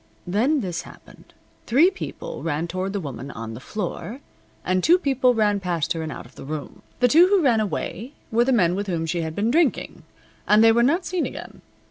Then this happened. Three people ran toward the woman on the floor, and two people ran past her and out of the room. The two who ran away were the men with whom she had been drinking, and they were not seen again.